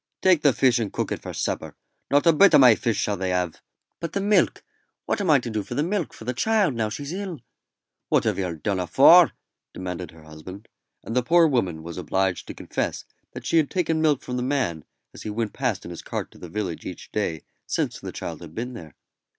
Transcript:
"Take the fish and cook it for supper. Not a bit o' my fish shall they have." "But the milk. What am I to do for the milk for the child now she's ill?" "What have yer done afore?" demanded her husband; and the poor woman was obliged to confess that she had taken milk from the man as he went past in his cart to the village each day since the child had been there.